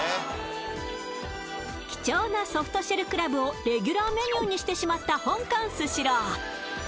貴重なソフトシェルクラブをレギュラーメニューにしてしまった香港スシロー。